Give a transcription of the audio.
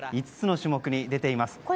５つの種目に出ています。